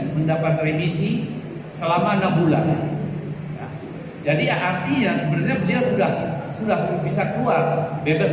mendapat remisi selama enam bulan jadi artinya sebenarnya beliau sudah sudah bisa keluar bebas